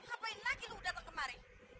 ngapain lagi lu datang kemari